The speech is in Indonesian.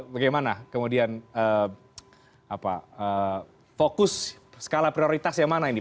bagaimana kemudian fokus skala prioritas yang mana ini